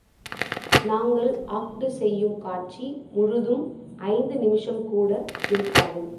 நாங்கள் ஆக்டு செய்யும் காட்சி முழுதும் ஐந்து நிமிஷம்கூட இருக்காது.